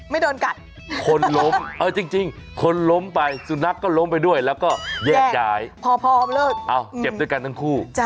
ไม่โดนกัดหลวง